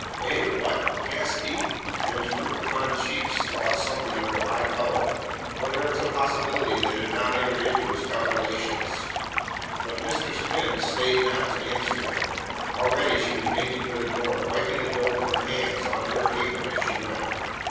"Eh? What?" gasped he, and his rubicund cheeks lost something of their high colour, for here was a possibility that had not entered into his calculations. But Mistress Quinn stayed not to answer him. Already she was making for the door, wiping the dough from her hands on to her apron as she went.